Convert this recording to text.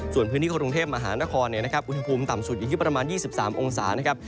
ส่วนพื้นที่กรุงเทพมหานครอุณหภูมิต่ำสุดอยู่ที่ประมาณ๒๓องศานะครับ